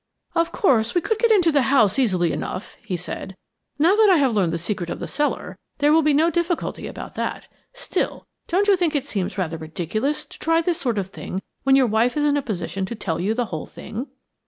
"Of course, we could get into the house easily enough," he said. "Now that I have learned the secret of the cellar, there will be no difficulty about that. Still, don't you think it seems rather ridiculous to try this sort of thing when your wife is in a position to tell you the whole thing?"